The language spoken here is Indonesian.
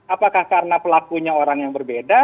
apakah karena pelakunya orang yang berbeda